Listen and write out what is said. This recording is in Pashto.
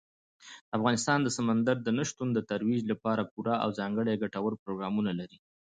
افغانستان د سمندر نه شتون د ترویج لپاره پوره او ځانګړي ګټور پروګرامونه لري.